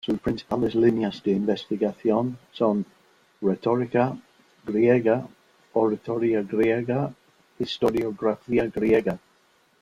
Sus principales líneas de investigación son: Retórica griega, Oratoria griega, Historiografía griega.